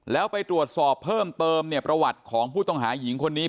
แล้วไปตรวจสอบเพิ่มเติมเนี่ยประวัติของผู้ต้องหาหญิงคนนี้